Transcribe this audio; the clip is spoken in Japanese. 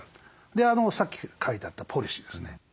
でさっき書いてあったポリシーですね。